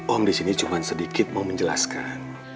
om disini cuma sedikit mau menjelaskan